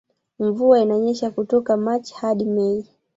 Mvua inanyesha kutoka machi hadi mei